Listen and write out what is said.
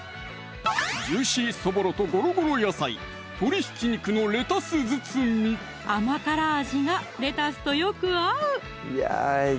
ジューシーそぼろとゴロゴロ野菜甘辛味がレタスとよく合う！